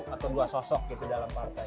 atau dua sosok gitu dalam partai